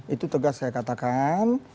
itu tegas saya katakan